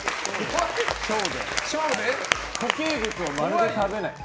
固形物をまるで食べない。